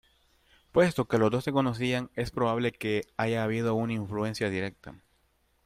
Puesto que los dos se conocían, es probable que haya habido una influencia directa.